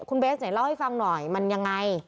คุณเบสไหนเล่าให้ฟังหน่อยมันยังไง